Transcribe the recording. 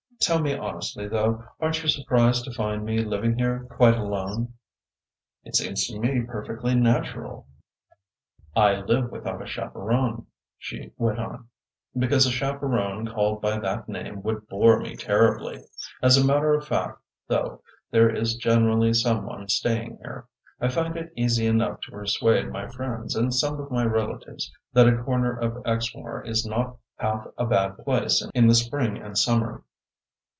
"Tell me honestly, though, aren't you surprised to find me living here quite alone?" "It seems to me perfectly natural," he answered. "I live without a chaperon," she went on, "because a chaperon called by that name would bore me terribly. As a matter of fact, though, there is generally some one staying here. I find it easy enough to persuade my friends and some of my relatives that a corner of Exmoor is not half a bad place in the spring and summer.